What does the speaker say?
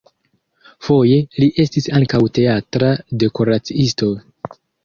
Foje li estis ankaŭ teatra dekoraciisto.